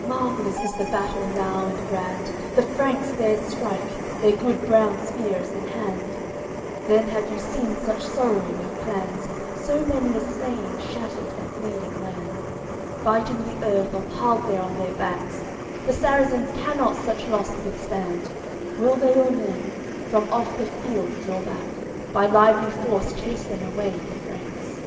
CXXIV Marvellous is the battle now and grand, The Franks there strike, their good brown spears in hand. Then had you seen such sorrowing of clans, So many a slain, shattered and bleeding man! Biting the earth, or piled there on their backs! The Sarrazins cannot such loss withstand. Will they or nill, from off the field draw back; By lively force chase them away the Franks.